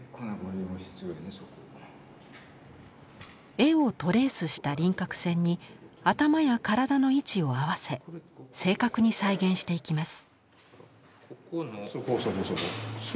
絵をトレースした輪郭線に頭や体の位置を合わせ正確に再現していきます。